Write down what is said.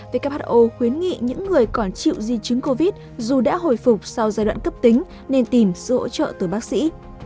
who khuyến nghị những người còn chịu di chứng covid dù đã hồi phục sau giai đoạn cấp tính nên tìm sự hỗ trợ từ bác sĩ